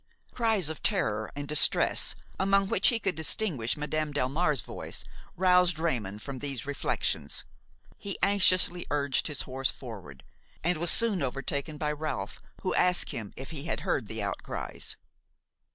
Cries of terror and distress, among which he could distinguish Madame Delmare's voice, roused Raymon from these reflections. He anxiously urged his horse forward and was soon overtaken by Ralph, who asked him if he had heard the outcries.